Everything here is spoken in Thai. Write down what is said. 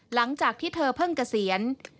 หลังจากที่เธอเพิ่งเกษียณ